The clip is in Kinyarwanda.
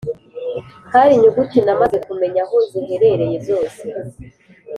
Hari inyuguti namaze kumenya aho ziherereye zose